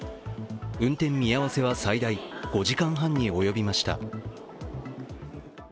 運転見合わせは最大５時間半におよびました。